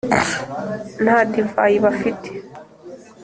nta divayi bafite